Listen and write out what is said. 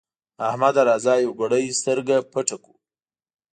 احمده! راځه يوه ګړۍ سترګه پټه کړو.